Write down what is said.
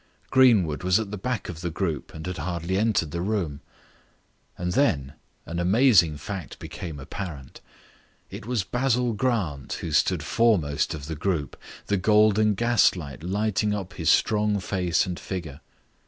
Greenwood was at the back of the group and had hardly entered the room. And then an amazing fact became apparent. It was Basil Grant who stood foremost of the group, the golden gaslight lighting up his strong face and figure.